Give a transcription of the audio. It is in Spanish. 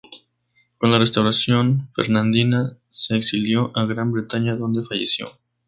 Con la restauración fernandina se exilió a Gran Bretaña donde falleció.